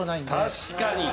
確かに。